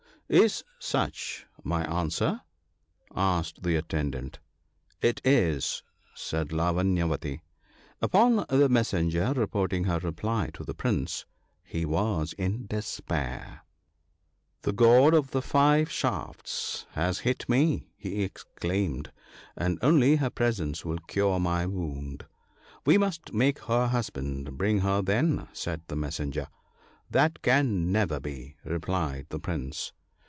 " Is such my answer ?" asked the attendant. " It is," said Lavanyavati. Upon the messenger reporting her reply to the Prince, he was in despair. " The God of the five shafts ( 4a ) has hit me," he ex claimed, "and only her presence will cure my wound." " We must make her husband bring her, then," said the messenger. " That can never be," replied the Prince.